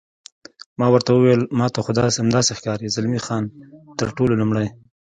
ما ورته وویل: ما ته خو همداسې ښکاري، زلمی خان: تر ټولو لومړی.